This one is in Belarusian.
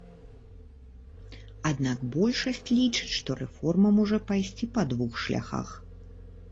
Аднак большасць лічаць, што рэформа можа пайсці па двух шляхах.